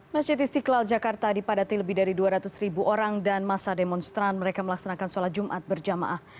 masjid istiqlal jakarta dipadati lebih dari dua ratus ribu orang dan masa demonstran mereka melaksanakan sholat jumat berjamaah